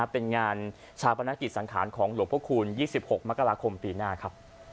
เป็นงานฉาบระนาคตสังขาลของหลวงพระครูล๒๖มกรคมปีหน้า